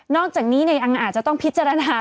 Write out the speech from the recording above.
อกจากนี้ในอังอาจจะต้องพิจารณา